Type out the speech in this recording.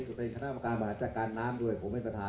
เมืองอัศวินธรรมดาคือสถานที่สุดท้ายของเมืองอัศวินธรรมดา